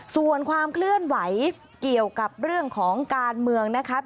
ส่วนความเคลื่อนไหวเกี่ยวกับเรื่องของการเมืองนะครับ